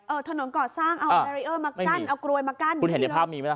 ถนนก่อสร้างเอาแบรีเออร์มากั้นเอากลวยมากั้นคุณเห็นในภาพมีไหมล่ะ